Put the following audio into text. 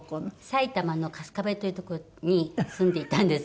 埼玉の春日部という所に住んでいたんですけど。